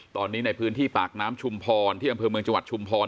ตอนนี้ในพื้นที่ปากน้ำชุมพรที่อำเภอเมืองจังหวัดชุมพร